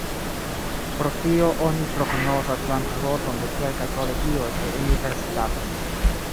Pro tio oni prognozas bankroton de kelkaj kolegioj kaj universitatoj.